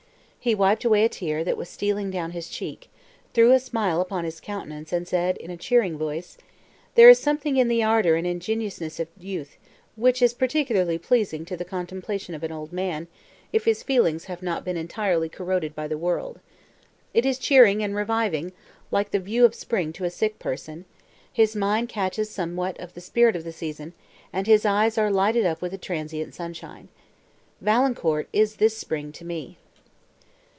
He wiped away a tear, that was stealing down his cheek, threw a smile upon his countenance, and said in a cheering voice, "there is something in the ardour and ingenuousness of youth, which is particularly pleasing to the contemplation of an old man, if his feelings have not been entirely corroded by the world. It is cheering and reviving, like the view of spring to a sick person; his mind catches somewhat of the spirit of the season, and his eyes are lighted up with a transient sunshine. Valancourt is this spring to me."